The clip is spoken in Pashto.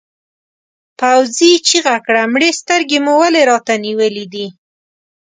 پوځي چیغه کړه مړې سترګې مو ولې راته نیولې دي؟